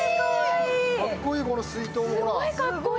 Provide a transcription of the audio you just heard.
かっこいい、この水筒も。